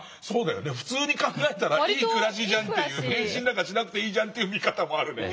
普通に考えたら「いい暮らしじゃん」という「変身なんかしなくていいじゃん」という見方もあるね。